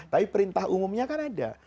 tapi perintah umumnya kan ada